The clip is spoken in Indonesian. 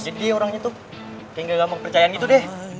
jadi orangnya tuh kayak nggak mau percaya gitu deh